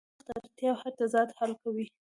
د تخت اړتیا هر تضاد حل کوي.